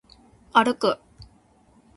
歩く